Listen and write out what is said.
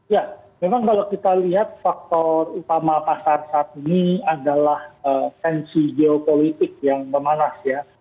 ya memang kalau kita lihat faktor utama pasar saat ini adalah tensi geopolitik yang memanas ya